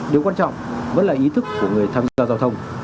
điều quan trọng vẫn là ý thức của người tham gia giao thông